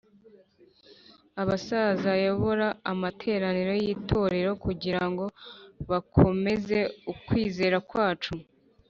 abasaza bayobora amateraniro y itorero kugira ngo bakomeze ukwizera kwacu